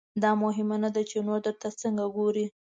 دا مهمه نه ده چې نور درته څنګه ګوري.